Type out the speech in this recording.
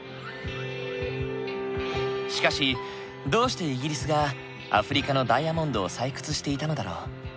しかしどうしてイギリスがアフリカのダイヤモンドを採掘していたのだろう？